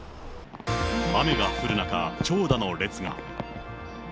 雨が降る中、長蛇の列が。